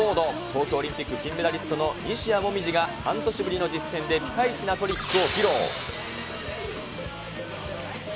東京オリンピック金メダリストの西矢椛が半年ぶりの実戦でピカイチなトリックを披露。